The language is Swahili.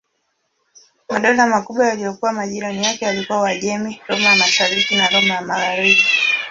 Madola makubwa yaliyokuwa majirani yake yalikuwa Uajemi, Roma ya Mashariki na Roma ya Magharibi.